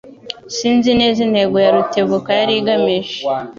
Sinzi neza intego ya Rutebuka yari igamije.